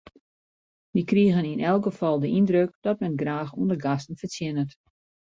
Wy krigen yn elk gefal de yndruk dat men graach oan de gasten fertsjinnet.